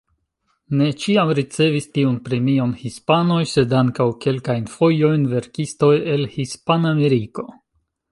Ne ĉiam ricevis tiun premion hispanoj, sed ankaŭ kelkajn fojojn verkistoj el Hispanameriko.